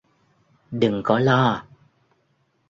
Đừng có lo